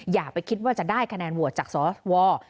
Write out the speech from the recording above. อย่าไปคิดว่าจะได้คะแนนโหวตจากสว